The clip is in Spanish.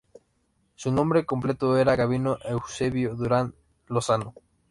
Su nombre completo era Gabino Eusebio Duran Lozano.